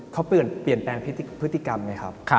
เขาเปลี่ยนแปลงพฤติกรรมไงครับ